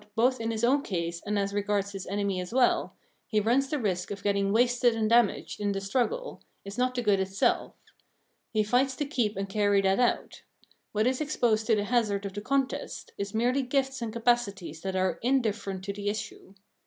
374 Phenomenology of Mind both, in his own case and as regards his enemy as well, he runs the risk of getting wasted and damaged in the struggle, is not the good itself ; he fights to keep and carry that out : what is exposed to the hazard of the contest is merely gifts and capacities that are indifferent to the issue.